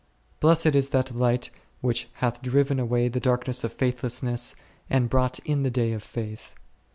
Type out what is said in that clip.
Blessed is that light which hath driven away the darkness of faithlessness and brought in the day of faith.